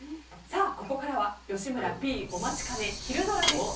ここからは吉村Ｐお待ちかねひるドラ！です。